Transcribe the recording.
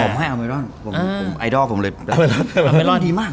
ผมให้อาเมรอนไอดอลผมเลยอาเมรอนดีมาก